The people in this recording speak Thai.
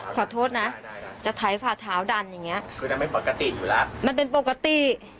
ขอโทษนะจะไถฝ่าเท้าดันอย่างเงี้ยคือยังไม่ปกติอยู่แล้วมันเป็นปกติ